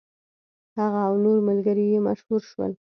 هغه او نور ملګري یې مشهور شول.